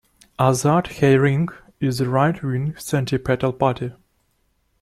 "Azat Hayrenik" is a right-wing, centripetal party.